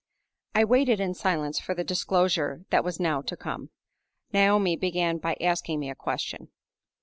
I WAITED in silence for the disclosure that was now to come. Naomi began by asking me a question.